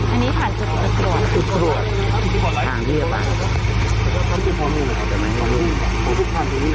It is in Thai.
อันนี้ถามสุขรวจของทุกพลวง